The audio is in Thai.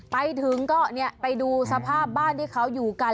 ไปถึงก็ไปดูสภาพบ้านที่เขาอยู่กัน